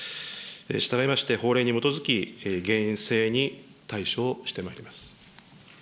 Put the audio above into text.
したがいまして、法令に基づき、厳正に対処をしてまいります。